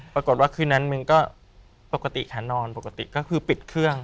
ปรากฏว่าคืนนั้นมิงก็ปกติขานอนปกติก็คือปิดเครื่อง